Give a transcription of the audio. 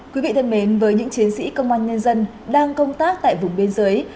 quý vị thân mến với những chiến sĩ công an nhân dân đang công tác tại vùng biên giới